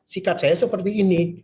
sikap saya seperti ini